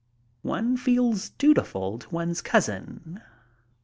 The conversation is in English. One feels dutiful to one's cousin.